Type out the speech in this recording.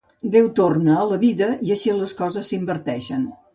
Déu torna a la vida, i així les coses s'inverteixen.